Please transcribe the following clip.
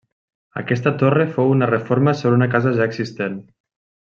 Aquesta torre fou una reforma sobre una casa ja existent.